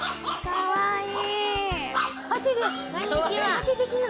かわいい。